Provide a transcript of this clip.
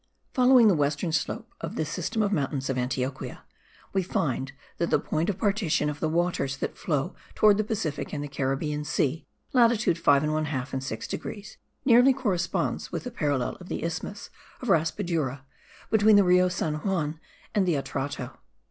Following the western slope of this system of mountains of Antioquia, we find that the point of partition of the waters that flow towards the Pacific and the Caribbean Sea (latitude 5 1/2 and 6 degrees ) nearly corresponds with the parallel of the isthmus of Raspadura, between the Rio San Juan and the Atrato.